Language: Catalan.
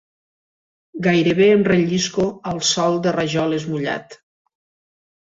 Gairebé em rellisco al sòl de rajoles mullat.